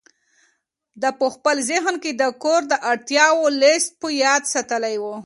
ده په خپل ذهن کې د کور د اړتیاوو لست په یاد ساتلی و.